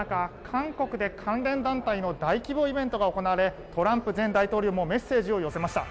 韓国で関連団体の大規模イベントが行われトランプ前大統領もメッセージを寄せました。